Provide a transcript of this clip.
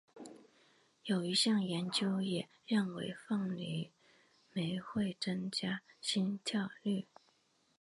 有一项研究也认为凤梨酶会增加心跳率。